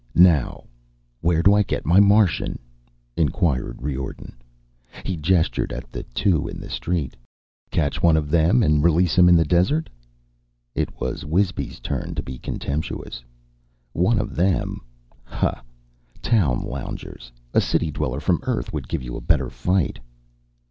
"Now, where do I get my Martian?" inquired Riordan. He gestured at the two in the street. "Catch one of them and release him in the desert?" It was Wisby's turn to be contemptuous. "One of them? Hah! Town loungers! A city dweller from Earth would give you a better fight."